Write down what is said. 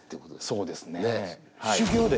そうですね。